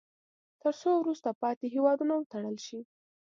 تر څو وروسته پاتې هیوادونه وتړل شي.